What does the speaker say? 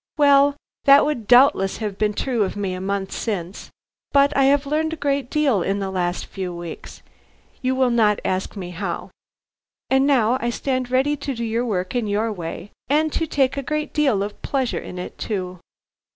Well, that would doubtless have been true of me a month since, but I have learned a great deal in the last few weeks, you will not ask me how, and now I stand ready to do your work in your way, and to take a great deal of pleasure in it too."